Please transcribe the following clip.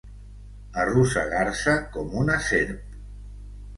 Arrossegar-se com una serp.